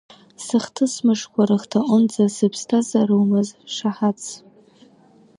Сыхҭыс мышқәа рыхҭаҟынӡа, сыԥсҭазаара уамаз шаҳаҭс.